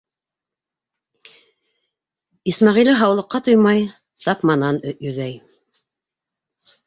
Исмәғиле һаулыҡҡа туймай, тапманан йөҙәй.